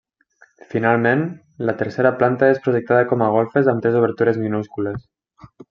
Finalment, la tercera planta, és projectada com a golfes amb tres obertures minúscules.